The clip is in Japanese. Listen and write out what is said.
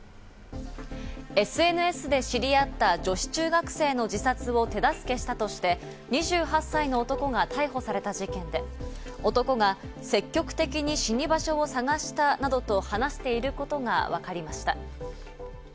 ＳＮＳで知り合った女子中学生の自殺を手助けしたとして、２８歳の男が逮捕された事件で男が積極的に死に場所を探したなどと話していることがわかりました。